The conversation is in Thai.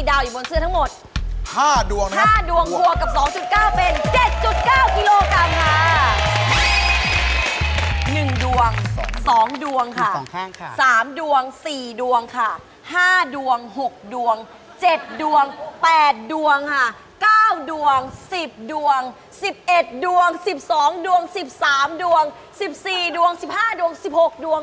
๗ดวง๘ดวงค่ะ๙ดวง๑๐ดวง๑๑ดวง๑๒ดวง๑๓ดวง๑๔ดวง๑๕ดวง๑๖ดวง